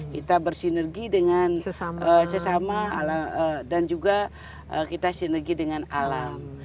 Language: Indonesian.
kita bersinergi dengan sesama dan juga kita sinergi dengan alam